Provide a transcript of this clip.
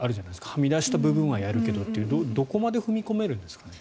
はみ出した部分はやるけどというどこまで踏み込めるんですかね。